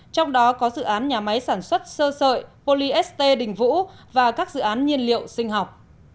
trong đó có dự án nhà máy sản xuất sơ sợi polyest đình vũ và các dự án nhiên liệu sinh học